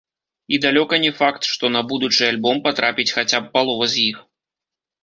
І далёка не факт, што на будучы альбом патрапіць хаця б палова з іх.